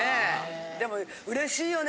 でもうれしいよね？